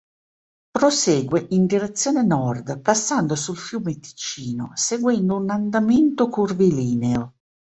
Prosegue in direzione nord passando sul fiume Ticino seguendo un andamento curvilineo.